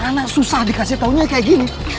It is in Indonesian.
anak susah dikasih taunya kayak gini